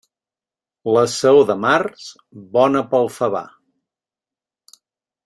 La saó de març, bona per al favar.